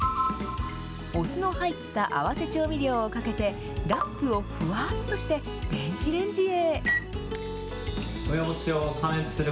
お酢の入った合わせ調味料をかけて、ラップをふわっとして電子レンジへ。